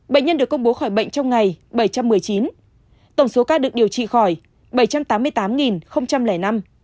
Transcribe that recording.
bệnh nhân được công bố khỏi bệnh trong ngày bảy trăm một mươi chín tổng số ca được điều trị khỏi bảy trăm tám mươi tám năm